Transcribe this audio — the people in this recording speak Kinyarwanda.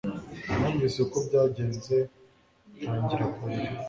Numvise uko byagenze ntangira kurira